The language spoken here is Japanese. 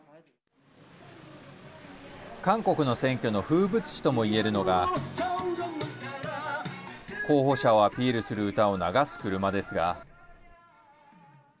韓国の選挙の風物詩ともいえるのが候補者をアピールする歌を流す車ですが。